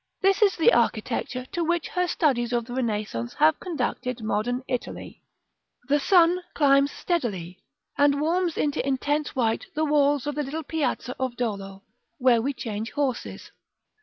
This is the architecture to which her studies of the Renaissance have conducted modern Italy. § VIII. The sun climbs steadily, and warms into intense white the walls of the little piazza of Dolo, where we change horses.